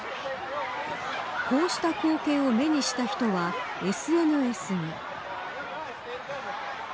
こうした光景を目にした人はＳＮＳに。